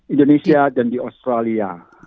indonesia dan di australia